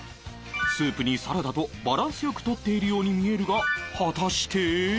スープにサラダとバランス良く取っているように見えるが果たして